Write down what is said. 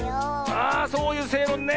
あそういうせいろんね。